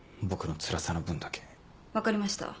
分かりました。